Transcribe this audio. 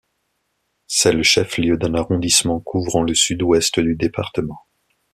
C'est le chef-lieu d'un arrondissement couvrant le sud-ouest du département.